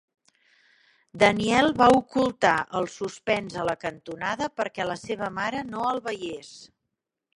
Daniel va ocultar el suspens a la cantonada perquè la seva mare no el veiés.